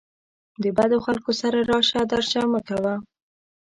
له بدو خلکو سره راشه درشه مه کوه